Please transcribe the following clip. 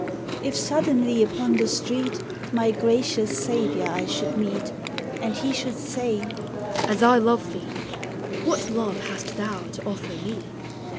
If suddenly upon the street My gracious Saviour I should meet, And he should say, "As I love thee, What love hast thou to offer me?"